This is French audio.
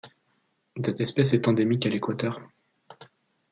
Cette espèce endémique à l'Équateur.